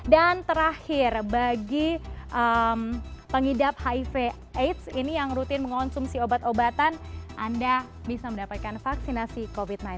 dan terakhir bagi pengidap hiv aids ini yang rutin mengonsumsi obat obatan anda bisa mendapatkan vaksinasi covid sembilan belas